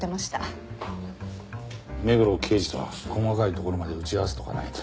目黒刑事とは細かいところまで打ち合わせとかないと。